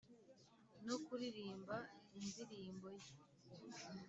no kuririmba indirimbo ye